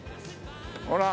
ほら。